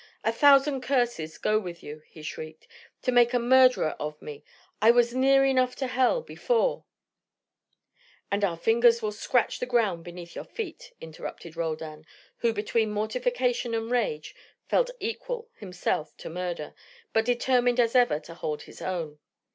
"A thousand curses go with you," he shrieked, "to make a murderer of me. I was near enough to hell before " "And our fingers will scratch the ground beneath your feet," interrupted Roldan, who between mortification and rage felt equal himself to murder, but determined as ever to hold his own.